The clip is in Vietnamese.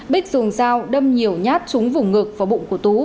bích dùng dao đâm nhiều nhát trúng vùng ngực và bụng của tú